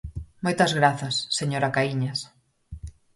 Moitas grazas, señora Caíñas.